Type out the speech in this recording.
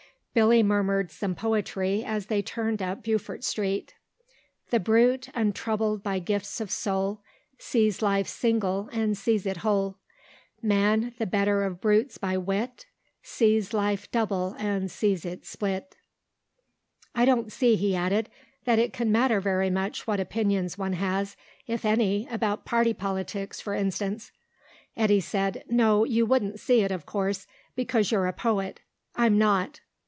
Billy murmured some poetry as they turned up Beaufort Street. "The brute, untroubled by gifts of soul, Sees life single and sees it whole. Man, the better of brutes by wit, Sees life double and sees it split." "I don't see," he added, "that it can matter very much what opinions one has, if any, about party politics, for instance." Eddy said, "No, you wouldn't see it, of course, because you're a poet. I'm not."